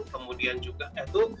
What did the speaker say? kemudian juga itu